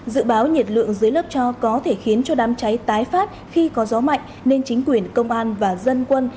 dự báo nhiệt lượng dưới lớp cho có thể khiến cho đám cháy tái phát khi có gió mạnh nên chính quyền công an và dân quân